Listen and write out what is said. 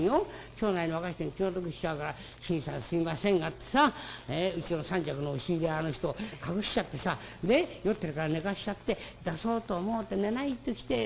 町内の若い人に気の毒しちゃうから『新さんすいませんが』ってさうちの三尺の押し入れにあの人を隠しちゃってさで酔ってるから寝かせちゃって出そうと思って寝ないときているんだ。